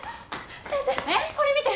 先生これ見て！